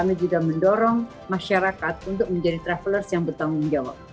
kami juga mendorong masyarakat untuk menjadi travelers yang bertanggung jawab